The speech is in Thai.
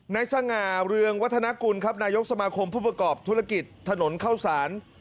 สง่าเรืองวัฒนากุลครับนายกสมาคมผู้ประกอบธุรกิจถนนเข้าสาร